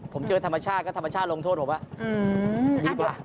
ผมเจอธรรมชาติก็ธรรมชาติลงโทษผมดีกว่า